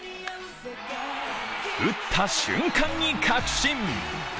打った瞬間に確信。